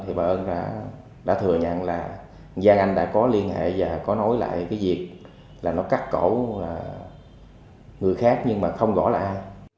thì bà ơn đã thừa nhận là giang anh đã có liên hệ và có nối lại cái việc là nó cắt cổ người khác nhưng mà không rõ là ai